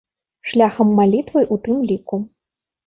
Шляхам малітвы ў тым ліку.